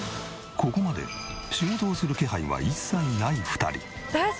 ここまで仕事をする気配は一切ない２人。